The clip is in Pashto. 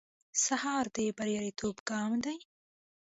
سهار د بریالیتوب ګام دی.